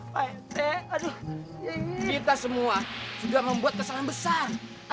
aduh kita semua sudah membuat kesalahan besar